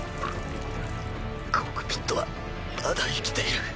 コクピットはまだ生きている。